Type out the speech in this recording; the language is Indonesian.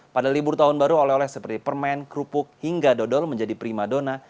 pada libur tahun baru oleh oleh seperti permen kerupuk hingga dodol menjadi prima dona